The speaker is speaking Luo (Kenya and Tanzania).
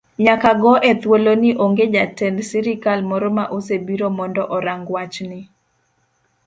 Nyaka go e thuoloni onge jatend sirikal moro ma osebiro mondo orang wachni.